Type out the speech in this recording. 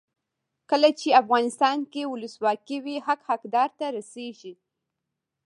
کله چې افغانستان کې ولسواکي وي حق حقدار ته رسیږي.